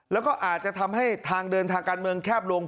แล้วก็อาจจะทำให้ทางเดินทางการเมืองแคบลง